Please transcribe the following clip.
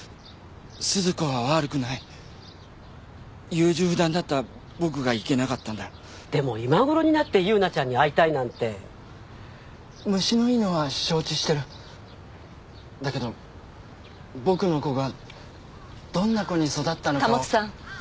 鈴子は悪くない優柔不断だった僕がいけなかったんだでも今頃になって優奈ちゃんに会いたいなんて虫のいいのは承知してるだけど僕の子がどんな子に育ったのかを保さん